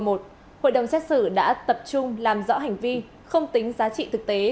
hội đồng xét xử đã tập trung làm rõ hành vi không tính giá trị thực tế